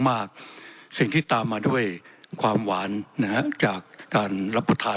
มากสิ่งที่ตามมาด้วยความหวานนะฮะจากการรับประทาน